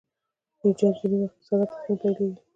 ایجاد ځینې وخت په ساده پوښتنو پیلیږي.